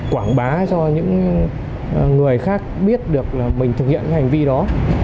quảng bá cho những người khác biết được là mình thực hiện cái hành vi đó